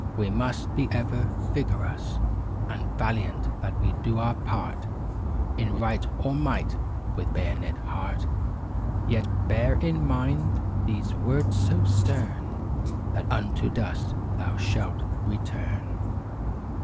We must be ever vigorous And valiant that we do our part In right or might with buoyant heart; Yet, bear in mind these words, so stern— "That unto dust thou shalt return!